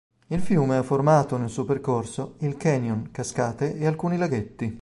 Il fiume ha formato, nel suo percorso, il canyon, cascate e alcuni laghetti.